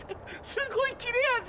すごい切れ味！